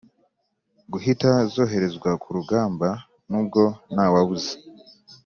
guhita zoherezwa ku rugamba. nubwo ntawabuze